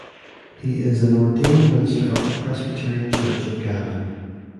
He is an ordained minister of the Presbyterian Church of Ghana.